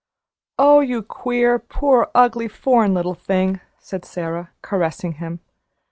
"Oh, you queer, poor, ugly, foreign little thing!" said Sara, caressing him.